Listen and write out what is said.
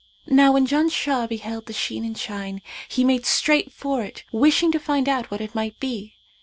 Now when Janshah beheld that sheen and shine, he made straight for it wishing to find out what it might be.